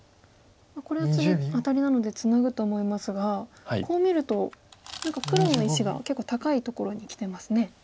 これ次アタリなのでツナぐと思いますがこう見ると何か黒の石が結構高いところにきてますね。